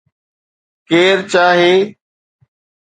ڪير چاهي